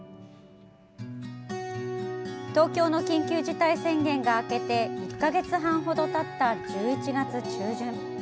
東京の緊急事態宣言が明けて１か月半ほどたった１１月中旬。